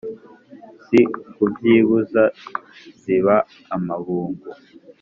si ukubyibuha ziba amabungu.